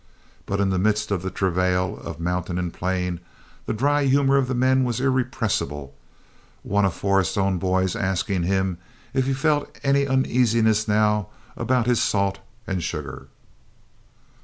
But in the midst of the travail of mountain and plain, the dry humor of the men was irrepressible, one of Forrest's own boys asking him if he felt any uneasiness now about his salt and sugar.